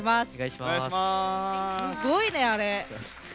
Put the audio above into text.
すごいね、あれ。